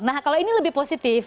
nah kalau ini lebih positif